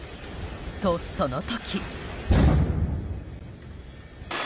と、その時。